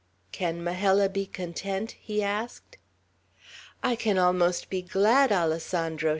"Can Majella be content?" he asked. "I can almost be glad, Alessandro!"